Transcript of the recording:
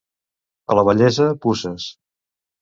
A la vellesa, puces.